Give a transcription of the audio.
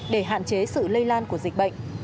để hạn chế sự lây lan của dịch bệnh